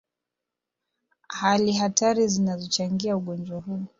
Hali hatari zinazochangia ugonjwa huu